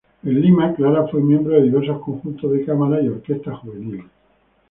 En Lima, Clara fue miembro de diversos conjuntos de cámara y orquestas juveniles.